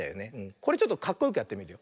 これちょっとかっこよくやってみるよ。